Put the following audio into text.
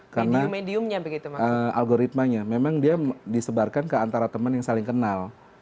karena algoritmanya memang dia disebarkan ke antara teman yang saling kenal